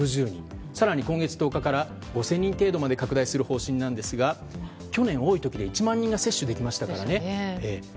更に今月１０日から５０００人程度まで拡大する方針なんですが去年多い時は１万人が接種できましたからね。